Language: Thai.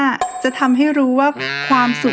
พี่ถึกจ้าชายหญิงอยู่ในห้องด้วยกันซะ